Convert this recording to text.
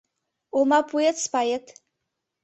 Олмапуэт спает